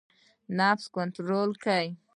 نفس کنټرول کړئ